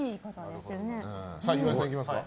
岩井さんいきますか。